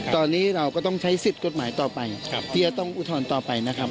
ตอนนี้เราก็ต้องใช้สิทธิ์กฎหมายต่อไปที่จะต้องอุทธรณ์ต่อไปนะครับ